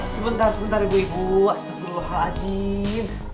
sebentar sebentar ibu ibu astagfirullahaladzim